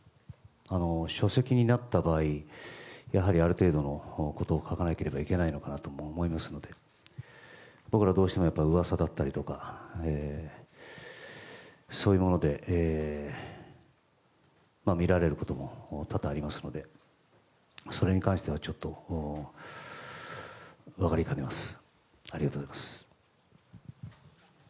書籍になった場合ある程度のことを書かなきゃいけないのかなとも思いますので僕らはどうしても噂だったりとかそういうもので見られることも多々ありますのでそれに関しては分かりかねます。